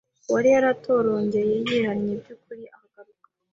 uwari waratorongeye wihannye by’ukuri akagaruka